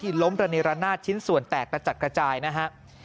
ล้มระเนรนาศชิ้นส่วนแตกกระจัดกระจายนะฮะ